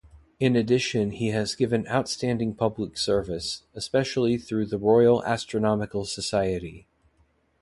In addition he has given outstanding public service, especially through the Royal Astronomical Society.